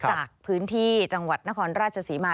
จากพื้นที่จังหวัดนครราชศรีมา